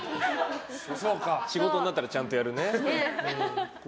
仕事になったらちゃんとやるっていうね。